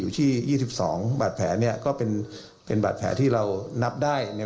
อยู่ที่๒๒บาดแผลเนี่ยก็เป็นบาดแผลที่เรานับได้